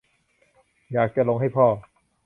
อยากจะลงให้พ่อ